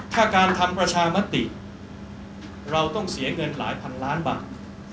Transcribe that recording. ถ้าการทำประชามติเราต้องเสียเงินหลายพันล้านบาท